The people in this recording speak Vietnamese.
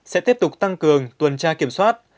sẽ tiếp tục tăng cường tuần tra kiểm soát